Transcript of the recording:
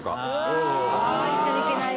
うわ一緒に行けないね。